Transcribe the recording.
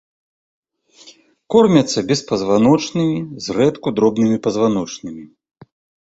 Кормяцца беспазваночнымі, зрэдку дробнымі пазваночнымі.